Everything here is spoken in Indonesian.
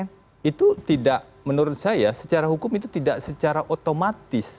nah itu tidak menurut saya secara hukum itu tidak secara otomatis